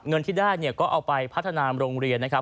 เงินที่ได้เนี่ยก็เอาไปพัฒนาโรงเรียนนะครับ